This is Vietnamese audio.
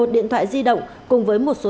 một mươi một điện thoại di động cùng với một số